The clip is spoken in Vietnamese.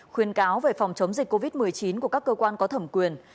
khuyên cáo về phòng chống dịch covid một mươi chín của các cơ quan có thẩm quyền